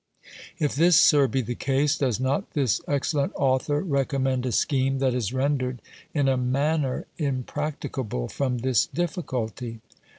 If this, Sir, be the case, does not this excellent author recommend a scheme that is rendered in a manner impracticable from this difficulty?